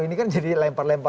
ini kan jadi lempar lempar